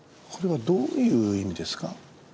これはどういう意味ですか？